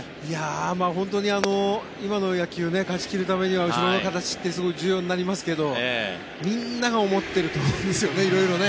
本当に、今の野球勝ち切るためには後ろの形って重要になりますけどみんなが思っていると色々と思うんですよね。